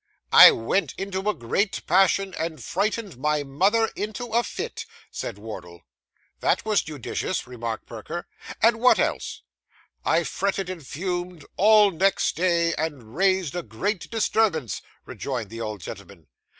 'I went into a great passion and frightened my mother into a fit,' said Wardle. 'That was judicious,' remarked Perker; 'and what else?' 'I fretted and fumed all next day, and raised a great disturbance,' rejoined the old gentleman.